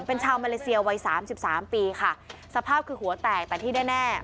เป็นชาวมาเลเซียวัย๓๓ปีค่ะสภาพคือหัวแตกแต่ที่แน่